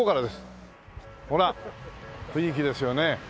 ほら雰囲気ですよね。